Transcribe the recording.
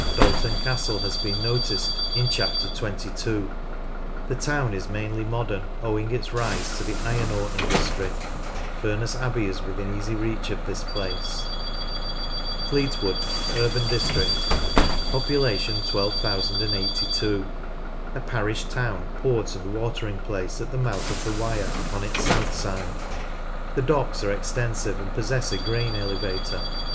Dalton Castle has been noticed in Chapter 22. The town is mainly modern, owing its rise to the iron ore industry. Furness Abbey is within easy reach of this place, (pp. 23, 102, 137, 152, 156.) Fleetwood, U.D. (12,082). A parish, town, port, and watering place at the mouth of the Wyre on its south side. The docks are extensive and possess a grain elevator.